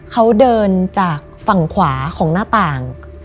เขาเดินจากฝั่งขวาของหน้าต่าง